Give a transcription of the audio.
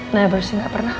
never sih gak pernah